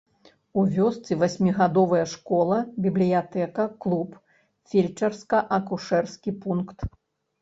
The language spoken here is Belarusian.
У вёсцы васьмігадовая школа, бібліятэка, клуб, фельчарска-акушэрскі пункт.